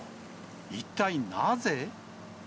一体なぜ。